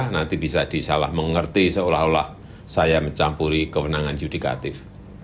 nanti bisa disalah mengerti seolah olah saya mencampuri kewenangan yudikatif